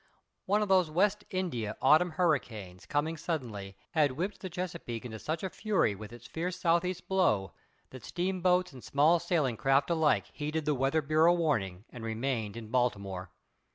One of those West India autumn hurricanes coming suddenly had whipped the Chesapeake into such a fury with its fierce southeast blow that steamboats and small sailing craft alike heeded the Weather Bureau warning and remained in Baltimore.